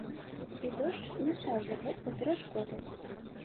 І дождж не стаў для гэтага перашкодай.